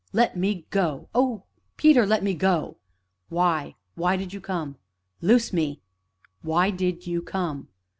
"Let me go oh, Peter! let me go." "Why why did you come?" "Loose me!" "Why did you come?"